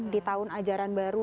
di tahun ajaran baru